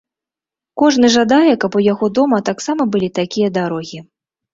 Кожны жадае, каб у яго дома таксама былі такія дарогі.